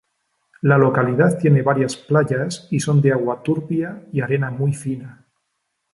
La localidad tiene varias playas y son de agua turbia y arena muy fina.